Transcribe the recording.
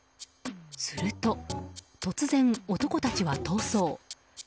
すると突然、男たちは逃走。